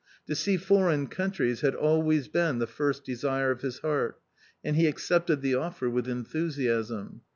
To see foreign countries had always been the first desire of his heart, and he accepted the offer with enthusiasm.